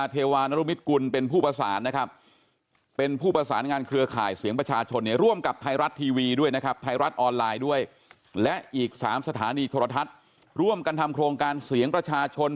ไทยรัฐออนไลน์ด้วยและอีก๓สถานีโทรทัศน์ร่วมกันทำโครงการเสียงราชาชน